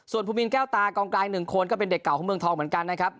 ส่วนภูมินแก้วตากองกลาย๑คนก็เป็นเด็กเก่าของเมืองทองเหมือนกันนะครับ